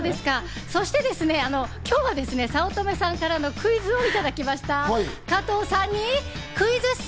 そして今日は早乙女さんからクイズをいただきました、加藤さんにクイズッス！